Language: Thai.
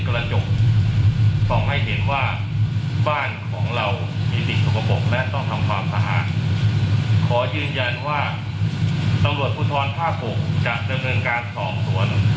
ทางกองบัญชาการตระบุถุธรภาค๖ยืนยันว่าตำรวจภูทธรภาค๖จะดำเนินการสอบสวน